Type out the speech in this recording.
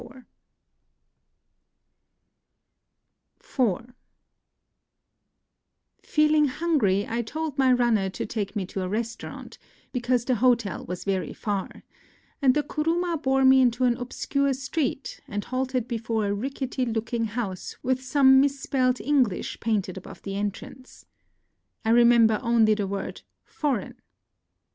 52 NOTES OF A TRIP TO KYOTO IV Feeling hungry, I told my runner to take me to a restaurant, because tlie hotel was very far ; and the kuruma bore me into an obscure street, and halted before a rickety looking house with some misspelled English painted above the entrance. I remember only the word " forign."